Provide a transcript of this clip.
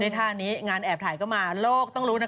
ในท่านี้งานแอบถ่ายมาโลกต้องรู้